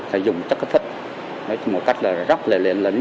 là dùng chất thách thích nói chung một cách là rất là liên lĩnh